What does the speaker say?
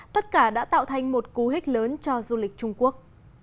tất cả đã tạo thành một cú hích lớn cho du lịch trung quốc